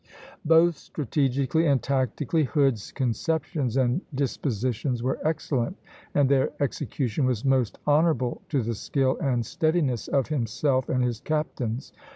Both strategically and tactically Hood's conceptions and dispositions were excellent, and their execution was most honorable to the skill and steadiness of himself and his captains.